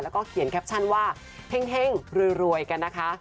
แล้วก็เขียนแคปชั่นว่าเฮ่งรวยกันนะคะ